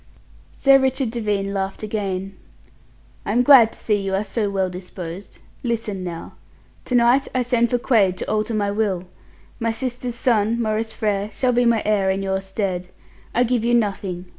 Sir Richard Devine laughed again. "I am glad to see you are so well disposed. Listen now. To night I send for Quaid to alter my will. My sister's son, Maurice Frere, shall be my heir in your stead. I give you nothing.